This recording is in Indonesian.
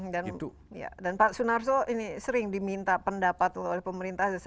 dan pak sunarso sering diminta pendapat oleh pemerintah